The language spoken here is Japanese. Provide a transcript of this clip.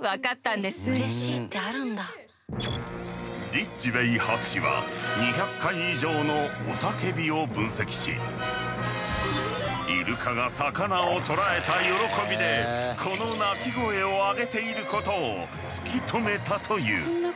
リッジウェイ博士は２００回以上のおたけびを分析しイルカが魚をとらえた喜びでこの鳴き声を上げていることを突き止めたという。